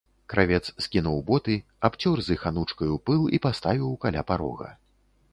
Кравец скінуў боты, абцёр з іх анучкаю пыл і паставіў каля парога.